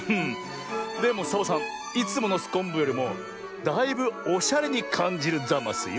でもサボさんいつものすこんぶよりもだいぶおしゃれにかんじるざますよ。